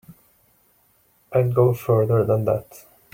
I'll go further than that.